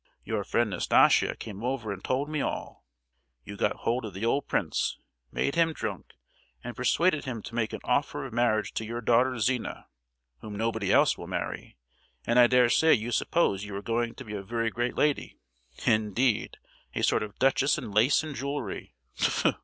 Your friend Nastasia came over and told me all! You got hold of the old prince, made him drunk and persuaded him to make an offer of marriage to your daughter Zina—whom nobody else will marry; and I daresay you suppose you are going to be a very great lady, indeed—a sort of duchess in lace and jewellery.